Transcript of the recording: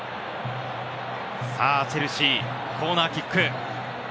チェルシー、コーナーキック。